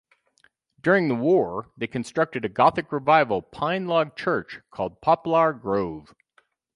During the war they constructed a Gothic Revival pine-log church called Poplar Grove.